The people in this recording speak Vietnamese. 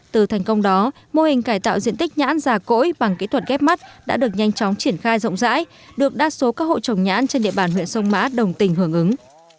từ thành công đó mô hình cải tạo diện tích nhãn già cỗi bằng kỹ thuật ghép mắt đã được nhanh chóng triển khai rộng rãi được đa số các hộ trồng nhãn trên địa bàn huyện sông mã đồng tình hưởng ứng